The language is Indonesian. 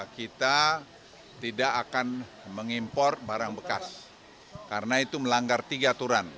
kita tidak akan mengimpor barang bekas karena itu melanggar tiga aturan